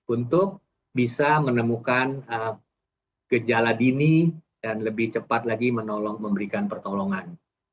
untuk bisa menemukan gejala dini dan lebih cepat lagi memberikan pertolongan